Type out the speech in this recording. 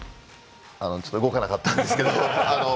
ちょっと動かなかったんですけど。